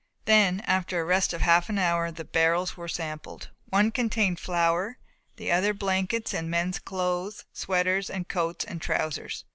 Then after a rest of half an hour the barrels were sampled. One contained flour, the other blankets and mens' clothes, sweaters and coats and trousers.